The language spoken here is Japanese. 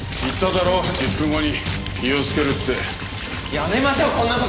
やめましょうこんな事！